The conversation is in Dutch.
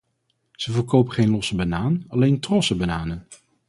Ze verkopen geen losse banaan, alleen trossen bananen.